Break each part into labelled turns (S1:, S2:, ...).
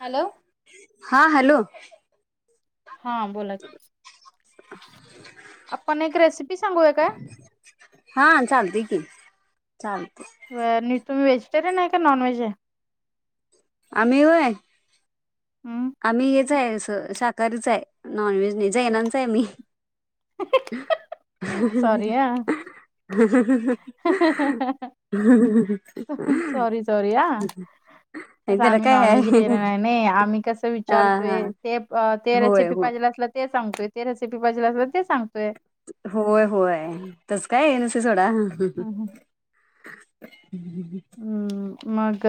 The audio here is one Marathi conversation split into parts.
S1: हॅलो
S2: हा हॅलो [inaudible]
S1: हा बोला की [inaudible] आपण एक रेसिपी सांगूया काय
S2: [inaudible] चालतंय
S1: तुम्ही व्हेजिटेरियन आहे का नॉन व्हेज आहे
S2: आमि व्हय
S1: हम्म
S2: आम्ही हेच आहे असं शाकाहारीच आहे नॉनव्हेज नाही
S1: तेच
S2: जैनांचा आहे मी
S1: सॉरी हा सॉरी सॉरी हा
S2: [inaudible] [inaudible]
S1: कसं
S2: त्याला
S1: आम्ही
S2: काय आहे
S1: नॉनव्हेजीटेरियन आहे आम्ही कस असं
S2: हा हा
S1: वाचारतेय [unintelligible]
S2: होय
S1: रेसिपी
S2: होय
S1: पाहिजे असल तेचं सांगतोय ते रेसिपी पाजे असल ते सांगतोय
S2: होय-होय तस काय ये [unintelligible] नुस सोडा.
S1: हम्म
S2: हम् [unintelligible]
S1: मग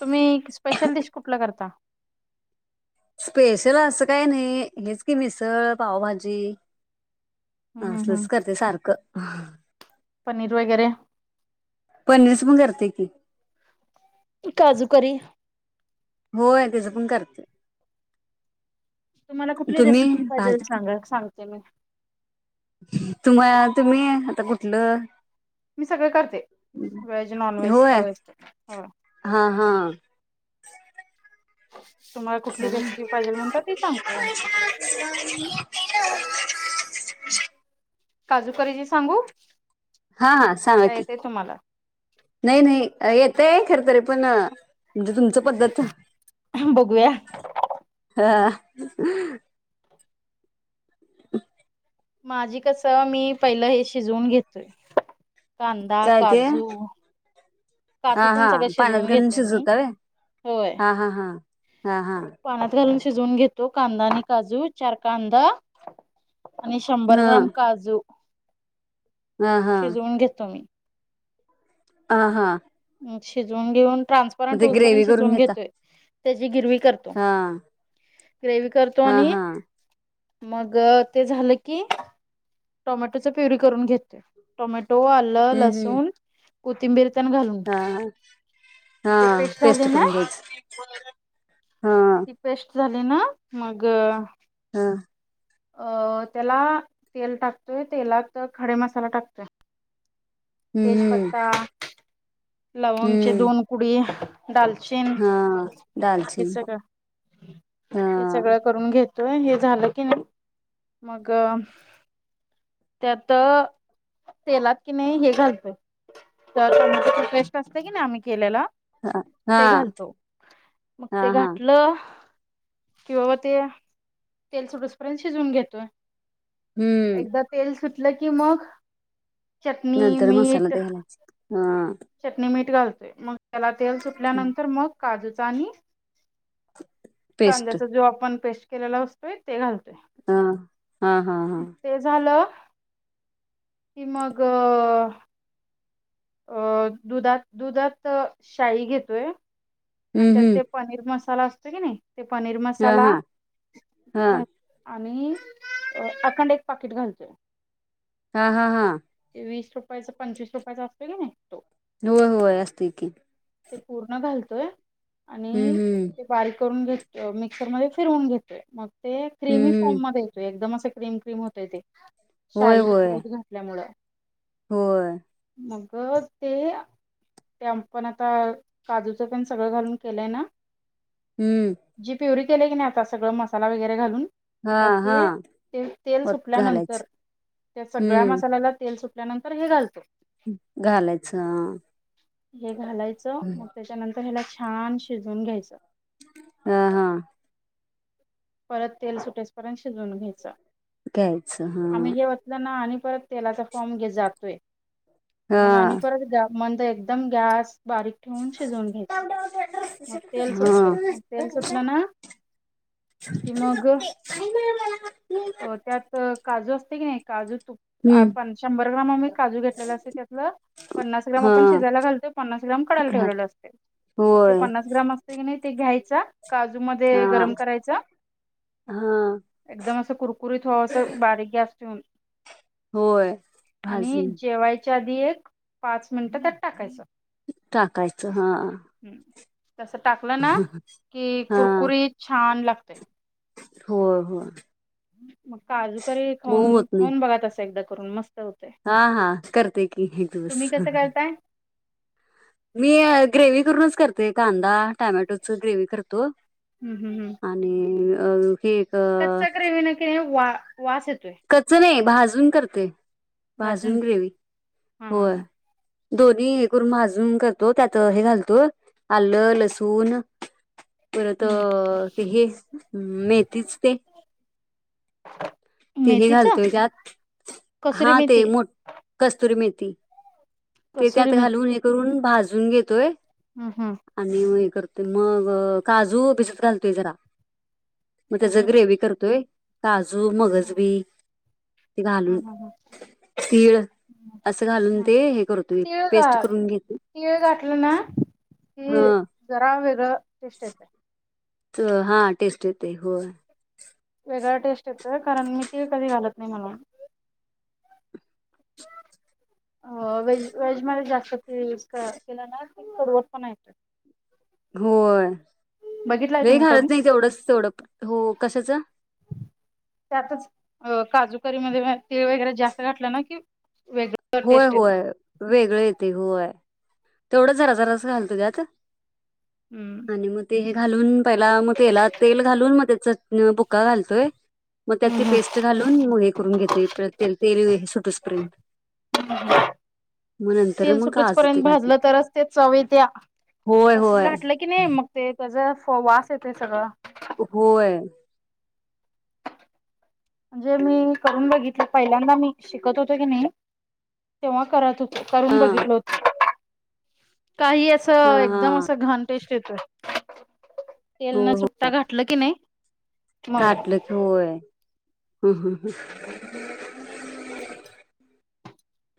S1: तुम्ही स्पेशल डिश कुठला करता
S2: स्पेशल असं काही नाही हेच की मिसळ पावभाजी. अ
S1: हम्म हम्म
S2: असलच
S1: हम्म
S2: करते सारखं
S1: पनीर वगैरे.
S2: पणिस पण करते की.
S1: काजू करी,
S2: होय तेचं पण करते.
S1: तुम्हाला कुठली
S2: तुम्ही
S1: रेसिपी पाहिजेल
S2: भाजी
S1: सांगा सांगते मी,
S2: [inaudible] तुम्हा तुम्ही आता कुठलं
S1: मी सगळें करते व्हेज नॉन व्हेज
S2: होय
S1: सगळं असत होय
S2: हा! हा!
S1: तुम्हाला कुठली रेसिपी पाहिजेल म्हणता ती सांगतो. काजू करीची सांगु
S2: हा-हा सांगा कि नाही-नाही येतय खरंतरी पण म्हणजे तुमच पद्धत [inaudible]
S1: बघूया
S2: हा, [inaudible] अ [inaudible]
S1: माझी कस मी पहिलं हे शिजवून घेतोय. [inaudible] कांदा,
S2: काय ते
S1: काजू,
S2: हा
S1: काजूतेन
S2: हा
S1: सगळं
S2: पाण्यात
S1: शिजवून
S2: घालून
S1: घेतोय मी
S2: शिजवता व्हय
S1: होय,
S2: हा हा हा हा हा
S1: पाण्यात घालून शिजवून घेतो कांदा आणि काजू चार कांदा आणि
S2: ह
S1: शंभर ग्राम काजू,
S2: हा हा
S1: शिजवून घेतो मी,
S2: आ हा,
S1: शिजून घेऊन
S2: मग
S1: ट्रान्सफरंट
S2: ते
S1: होऊस
S2: ग्रेवी करून
S1: शिजून
S2: घेता
S1: घेतोय तेची गिरवी, करतो
S2: हा,
S1: ग्रेवी करतो
S2: हा
S1: आणि
S2: हा
S1: मग ते झालं की टाॅमॅटोच प्युरी करून घेतोय टाॅमे [unintelligible] आलं
S2: हम्म हम्म
S1: लसून कथिंबीर तेन घाल
S2: हा- हा [inaudible]
S1: झाली
S2: पेस्ट
S1: ना
S2: करून घज [inaudible]
S1: ती पेस्ट झाली ना मग
S2: हा,
S1: अ त्याला तेल टाकतोय तेलात खडे मसाला टाकतोय
S2: हम्म हम्म
S1: तेजपत्ता, [inaudible] लवंगचे
S2: हम्म
S1: दोन कुडी, [inaudible] दालचीन
S2: हा
S1: हे
S2: दालचीन
S1: सगळं,
S2: हा
S1: हे सगळं करून घेत. [unintelligible] त्यात तेलात की नाही, हे [unintelligible]
S2: हा
S1: ते घालतो. मग
S2: हा
S1: ते
S2: हा
S1: घातलं किंवा ते तेल सोडस पर्यंत शिजवून घेतोय
S2: हम्म
S1: एकदा तेल सुटलं, की मग चटणी
S2: तर मसाला
S1: मीठ
S2: ते घालायचेत. ह
S1: चटणी, मीठ घालतोय, मग त्याला तेल सुटल्यानंतर, मग काजूचा, आणि [inaudible]
S2: पेस्ट
S1: कांद्याचा जो, आपण पेस्ट केलेला असतोय ते घालतो.
S2: ह. हा! हा! हा.
S1: कि, मग अ अ, दुधात, दुधात शाई घेतोय आणि
S2: हम्म
S1: त्यात
S2: हम्म
S1: ते पनीर मसाला असतो की, नाही? पनीर
S2: हा
S1: मसाला
S2: हा हा
S1: घातला आणि अ अखंड एक पाकिट घालतो.
S2: हा. हा. हा.
S1: वीस रुपयाचा पंचवीस रुपयाचा असतो की नाही तो.
S2: होय होय असते की
S1: ते पूर्ण घालतोय
S2: हम्म
S1: आणि
S2: हम्म
S1: ते बारीक करून घेत अ मिक्सर मध्ये फिरवून घेतोय मग ते क्रीमी
S2: हम्म हम्म
S1: फॉर्म मधे येतोयएकदमच ते क्रीम क्रीम होत, ते
S2: होय
S1: शाई
S2: होय
S1: दूध घेतल्यामुळं
S2: होय.
S1: अगं ते [unintelligible] अ काजू [unintelligible] ते सगळ घालून केले ना
S2: हम्म
S1: जी प्युरीक केले की नाही आता सगळं मसाला वगैरे घालून.
S2: हा
S1: त्यात
S2: हा
S1: की तेल
S2: वत
S1: सुटल्या नंतर
S2: घालायचं
S1: ते सगळ्या
S2: हम्म
S1: मसाला ते सुट त्यानंतर हे घालतो.
S2: घालायचं अ
S1: हा मग त्याच्यानंतर छान शिजवून घ्यायचं.
S2: ह. हा.
S1: परत तेल सुटेसपर्यंत शिजवून घ्यायच.
S2: घ्यायचं हा
S1: आम्ही घेवतलं ना आणि परत तेलाचा फॉर्म घे जातोय
S2: हा
S1: मग आणि
S2: हा
S1: परत मंद एकदम गॅस बारीक ठेवून शिजवून घ्यायच मग तेल सुटतय मग तेल सुटलं ना [unintelligible] कि मग अ त्यात काजू असते की नई काजू
S2: हम्म
S1: आपण शंभर ग्रॅम म मी काजू घेतलेले असतं त्यातलं पन्नास ग्रॅम
S2: हा
S1: आपण शिजायला घालतो. पन्नास ग्रॅम एकदम कडायला
S2: घाल
S1: ठेवलेलं असते. मग ते
S2: होय
S1: पन्नास ग्राम असते की नाही ते घ्यायचा. काजूमध्ये
S2: हा
S1: गरम करायचा. घ्यायचं
S2: हा
S1: एकदम असं कुरकुरीत व्हावस बारीक गॅस ठेऊन.
S2: होयभाजून.
S1: त्यातली एक पाच मिनिटे त्यात टाकायचं.
S2: टाकायचं हा
S1: तस टाकलं ना की कुरकुरीत छान लागतंया
S2: हो होय.
S1: मग काजूकरी
S2: मऊ
S1: खाऊन
S2: होत नाही
S1: खाऊन बघाा तस असं एकदा करून मस्त होतय.
S2: हा हा करते की इथूस
S1: तुम्ही
S2: ह
S1: कसं करताय?
S2: मी ग्रेव्ही करूनच करते. कांदा, टमॅटोचं ग्रेव्ही करतो.
S1: हम् हम् हम्
S2: आणि अ हे अ,
S1: कच्चा ग्रेव्हि निका वा वास येतो.
S2: कच्च नाही भाजून करते भाजून ग्रेव्ही
S1: हा हा
S2: होय.
S1: हा
S2: दोन्ही हे करून भाजून करतो त्यात हे घालतो आलं लसूण परत
S1: हम्म
S2: ते हे मेथितीच ते तीही
S1: मेथीच?
S2: घालतोय त्यात
S1: कसुरी
S2: हा ते
S1: मेथी.
S2: मो कस्तुरी मेथी ते
S1: कसुरी
S2: त्यात
S1: मेथी
S2: घालून हे करून भाजून घेतोय
S1: हम्म हम्म.
S2: आणि हय ते मग काजू बिसत घालतोय जरा मग
S1: हम्
S2: त्याचा
S1: हम हम.
S2: ग्रेवी करतोय काजू मगजबी घालून
S1: हम् हम
S2: तीळ
S1: हम
S2: असं घालून
S1: हम
S2: ते हे करतो एक
S1: तीळ
S2: पेस्ट
S1: घा
S2: करून घेतो. ह
S1: कि जरा वगरे टेस्ट येते
S2: तर हा टेस्ट येते हो
S1: वेगळा टेस्ट येतोय कारण मी तिळकधी घालत नाही म्हणून अ व्हेज व्हेज मध्ये जास्त ते तुज क केलाना कि कडुवट पणा येतो.
S2: होय
S1: बघितलाय
S2: लई
S1: तुम्ही करून?
S2: घालत नाही तेवढंच तेवढं हो कशाचं
S1: त्यातच अ काजूकरी मध्ये तिळ वगैरे जास्त घातलं ना कि
S2: होय. होय. वेगळ येते होय. तेवढा जरा जरासा घालतो घ्या तीळ.
S1: हम्म.
S2: आणि मग ते हे घालून पहिला मग तेला तेल घालून मग त्याच - - न पुक्का घालतोय. मग त्यात
S1: हम्म
S2: ते
S1: हम्म.
S2: पेस्ट घालून मग हे करून घेते ते तेल सुटूसपर्यंत मग नंतर
S1: तेल
S2: मग काजु
S1: सुटूचपर्यंत
S2: तेन
S1: भाजलं
S2: घालतोयं.
S1: तरच ते चवीत्या तसच
S2: होय
S1: घटलं की नाही मग ते तेज - - वास येतोय सगळा - -
S2: होय.
S1: म्हणजे मी करून बघितलं पहिल्यांदा मी शिकत होतो की नाही तेव्हा करत हो - - करून
S2: हा
S1: बघितलं होत. काही
S2: हा
S1: असं
S2: हा
S1: एकदम असं घाण टेस्ट येतयं. तेल न सुट्टा घाठलं कीनी
S2: घातलकी व्हयं हम् हम् ह्.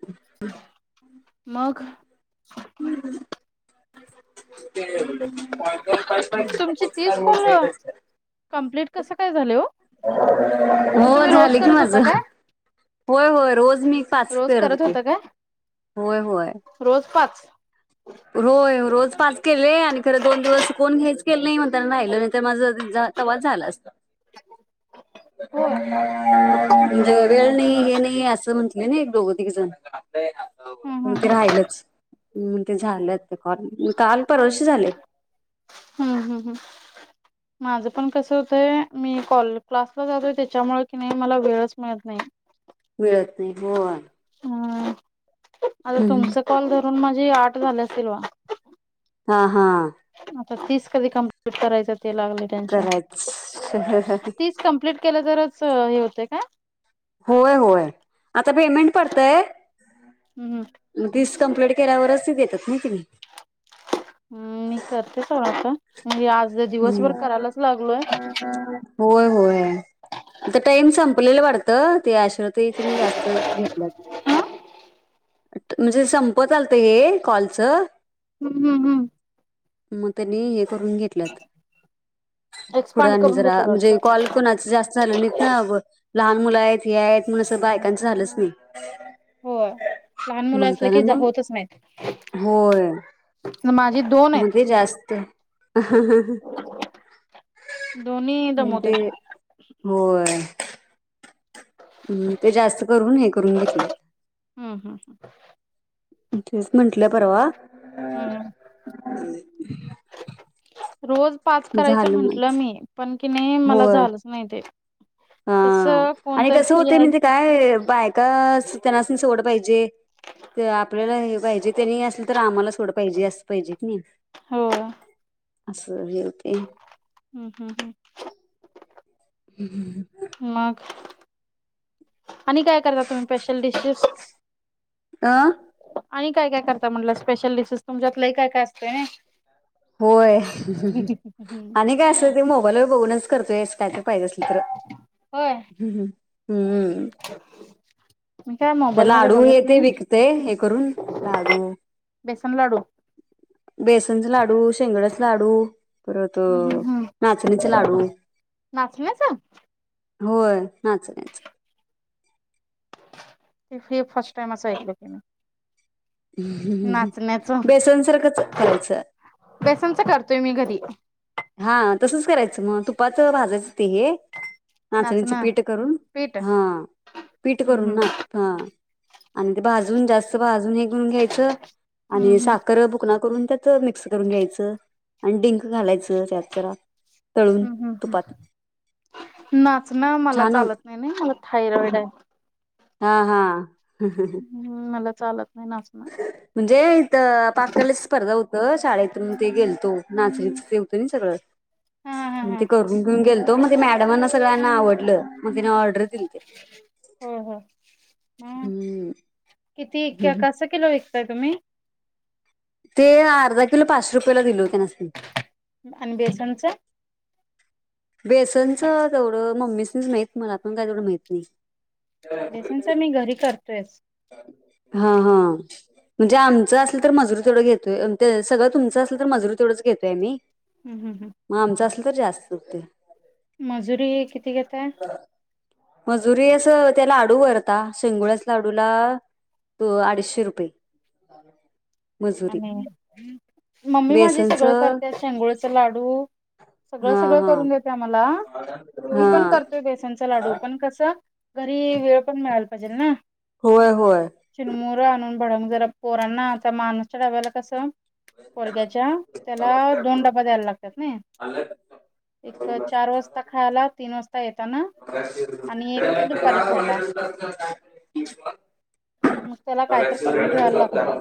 S2: ह्म.
S1: मग.
S2: [inaudible] [unintelligible]
S1: तुमची तीस कॉल कंप्लीट कसं काय झाले हो?
S2: हो
S1: मग तुम्ही रोज
S2: झाली की
S1: करत
S2: माझ.
S1: होता काय?
S2: होय, होय. रोज मी पाच
S1: रोज
S2: करत होतो.
S1: होता काय?
S2: होय, होय.
S1: रोज पाच
S2: होय. रोज पाच केले आणि खरं दोन दिवस कोण घेच केले नाही म्हणताना राहिलं नाही तर माझं तवाचं झाल असत.
S1: हो.
S2: म्हणजे वेळ नाही हे नाही असं म्हंटलंय ना एक दोघं तीघ जण.
S1: हम्म
S2: ते
S1: हम्म हम्म
S2: राहिलच. ते झाल्यात कॉल काल परवा दिवशी झालेयं.
S1: हम्म, हम्म, हम्म. माझं पण कसं होतय मी कॉल क्लासला जातोय. त्याच्यामुळे की नाही मला वेळच मिळत नाही.
S2: मिळत नाही होय.
S1: ह आता तुमच कॉल धरून माझी आठ झालं असतील बघा.
S2: हा, हा.
S1: आता तीस कधी कम्प्लीट करायचं? ते लागले टेनशन.
S2: करायच
S1: तीस कम्प्लीट केलं तरच हे होते काय?
S2: होय, होय. आता पेमेंट पडतय
S1: हम्म
S2: तीस कंप्लीट केल्यावरच ते देत्यात.
S1: हम्. मी करते सोडा आता मी आज दिवसभर
S2: हम्म
S1: करायलाच लागलोय.
S2: होय होय आता टाइम संपले - - लेला वाटत त्या ऐश्वर्या ताई त्यांनी जास्त घेतल्यात. म्हणजे संपत आलत हे कॉलचं
S1: हम्म, हम्म, हम्म.
S2: मग त्यांनी हे करून घेतल्यात. पुढ
S1: एक्सपांड
S2: आणि
S1: करून
S2: जरा
S1: घेतलं
S2: म्हणजे
S1: वाटतं
S2: कॉल कोणाच जास्त झालं नाहित ना अ लहान - - मुलं आहेत हे आहेत म्हणून अस बायकांचं झालंच नाही.
S1: होय लहान मुलं असलं
S2: म्हणताना
S1: की जा
S2: मग
S1: होतच नाहीत
S2: होय
S1: माझी दोन आहेत
S2: मते जास्त
S1: दोन्ही
S2: म ते
S1: दमवत्यात
S2: होय. म ते जास्त करून हे करून घेतल्यात.
S1: हम्म हम्म हम्म.
S2: तेेच म्हटलं परवा
S1: हम्म
S2: [unintelligible]
S1: रोज पाच
S2: मग
S1: करायचं
S2: झालं मग
S1: म्हंटलं मी पण कीनी मला
S2: होय
S1: झालंच नाही ते
S2: हा
S1: कसं
S2: आणि
S1: कोणतर
S2: कसं
S1: फ्री
S2: होतय
S1: आहे
S2: माहितीय काय? बायका स त्यनासनी सवड पाहिजे. जे ते आपल्याला हे पाहिजे तरी असल तर आम्हालाच थोड पाहिजे अस पाहिजे कणी
S1: हो हम्म
S2: अस हे होतंय
S1: हम्म हम्म हम्म.
S2: [unintelligible]
S1: मग आणि काय करता तुम्ही स्पेशल डिशेश?
S2: आ
S1: आणि काय काय करता म्हटलं स्पेशल डिशेस, तुमच्यात लय काय काय असतय नई.
S2: होय. आणि काय असं ते मोबाईलवर बघूनच करतोय असं काय तर पाहिजे असलं तर.
S1: होय.
S2: हम्म हम्म.
S1: मी काय मोबाईल मध्ये बघत
S2: ते
S1: नाही.
S2: विकते हे करून
S1: बेसन लाडू
S2: बेसनच लाडू, शेंगदाण्याच लाडू, परत
S1: हम्म हम्म हम्म.
S2: नाचणीच लाडू
S1: नाचण्याचं
S2: होय नाचण्याचं
S1: ते फे फर्स्ट टाईमच ऐकलय तीन
S2: बेसनसारखंच करायचं
S1: बेसनच करतोय मी घरी
S2: हा तसच करायचं म तुपात भाजायचं ते हे नाचणीचं
S1: नाचणं
S2: पीठ करून,
S1: पीठ
S2: हा पीठ करून
S1: हम्म हम्म
S2: ना हा आणि ते भाजून जास्त भाजून हे करून घ्यायचं आणि
S1: हम्म
S2: साखर भुकणा करून त्यात मिक्स करून घ्यायचं आणि डिंक घालायचं त्यात जरा तळून
S1: हम्म हम्म
S2: तुपात
S1: हम्म. नाचणं मला
S2: छान होत
S1: चालत नाही नई मला थायरॉइड हाय.
S2: हा हा.
S1: हम्म मला चालत नाही नाचणं.
S2: म्हणजे इथं पाककलेच स्पर्धा हो त शाळेतून ते गेलतो नाचणीचं ते होत नई सगळं
S1: हा हा
S2: म
S1: हा
S2: ते करून घेऊन गेलतो मग ते मॅडमांना सगळ्यांना आवडलं मग त्यांनी ऑर्डर दिलते.
S1: हम्म हम्म म
S2: हम्म
S1: किती क कसं किलो विक त तुम्ही
S2: ते अर्धा किलो पाचशे रुपयाला दिलो त्यनासणी
S1: आणि बेसनच?
S2: बेसनचं तेवढं मम्मीसनी च माहित मला पण काय तेवढं माहित नाही.
S1: बेसनच मी घरी करतोयच.
S2: हा हा. म्हणजे आमचं असल तर मजूर तेवढ घेतोय त सगळं तुमचं असलं तर मजुरी तेवढच घेतोय मी
S1: हम्म हम्म हम्म.
S2: त जास्त हुतय
S1: मजुरी किती घेताय?
S2: मजुरी अस त्या लाडू वर आता शेंगुळ्याच लाडू तुला तू अडीचशे रुपये मजुरी
S1: आणि मम्मी माझी
S2: बेसनच
S1: सगळं करत्या शेंगुळ्याच लाडू सगळं
S2: हा
S1: सगळं
S2: हा
S1: करून देत्या मला मी
S2: हा
S1: पण करतोय बेसनचा लाडू पण कसं घरी वेळ पण मिळायला पाहिजेल ना.
S2: होय होय
S1: चिरमुर आणून भडंग जरा पोरांना आता माणसच्या डाब्याला कसं पोरग्याच्या त्याला दोन डबा द्यायला लागतात ना एक चार वाजता खायला तीन वाजता येता ना
S2: [unintelligible] [unintelligible]
S1: मग त्याला कायतरी करून ठेवायला लागतंय.